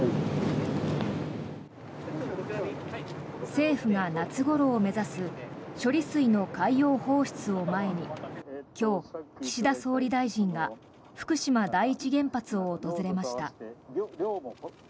政府が夏ごろを目指す処理水の海洋放出を前に今日、岸田総理大臣が福島第一原発を訪れました。